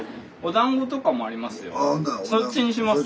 そっちにします？